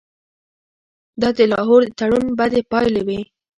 دا د لاهور د تړون بدې پایلې وې.